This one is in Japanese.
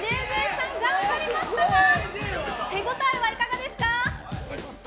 ＪＪさん頑張りましたが手応えはいかがですか。